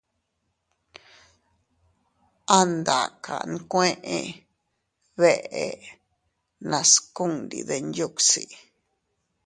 An daaka nkuee bee nascundi dinyuusi.